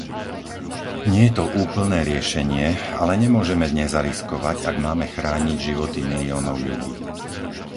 Nie je to úplné riešenie, ale nemôžeme nezariskovať, ak máme chrániť životy miliónov ľudí.